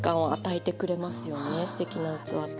すてきな器って。